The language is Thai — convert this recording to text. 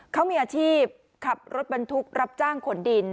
เขามีอาชีพขับรถบรรทุกรับจ้างขนดิน